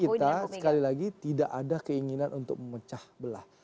kita sekali lagi tidak ada keinginan untuk memecah belah